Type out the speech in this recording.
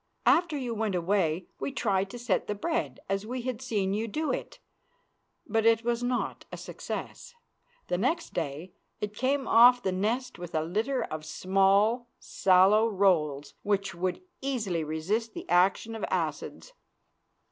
After you went away we tried to set the bread as we had seen you do it, but it was not a success. The next day it come off the nest with a litter of small, sallow rolls which would easily resist the action of acids.